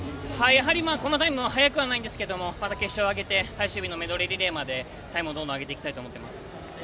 やはりこのタイムは早くはないんですがまた決勝に上げて最終日のメドレーリレーまでタイムをどんどん上げていきたいです。